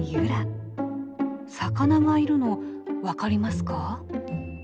魚がいるの分かりますか？